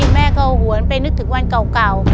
แม่ก็หวนไปนึกถึงวันเก่า